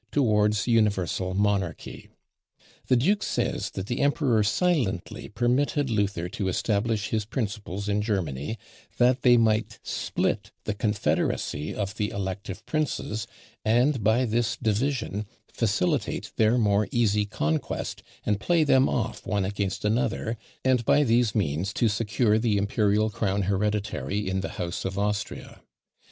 towards universal monarchy. The duke says, that the emperor silently permitted Luther to establish his principles in Germany, that they might split the confederacy of the elective princes, and by this division facilitate their more easy conquest, and play them off one against another, and by these means to secure the imperial crown hereditary in the house of Austria.